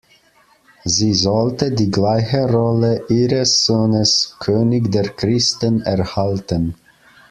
Sie sollte die gleiche Rolle ihres Sohnes, König der Christen, erhalten.